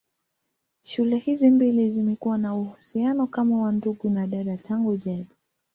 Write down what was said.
Shule hizi mbili zimekuwa na uhusiano kama wa ndugu na dada tangu jadi.